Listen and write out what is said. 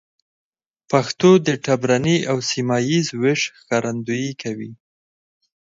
د پښتو د ټبرني او سيمه ييز ويش ښکارندويي کوي.